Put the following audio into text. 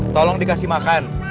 tolong dikasih makan